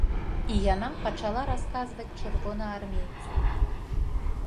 І яна пачала расказваць чырвонаармейцу.